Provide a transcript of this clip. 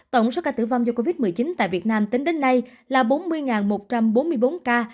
tổng số ca tử vong do covid một mươi chín tại việt nam tính đến nay là bốn mươi một trăm bốn mươi bốn ca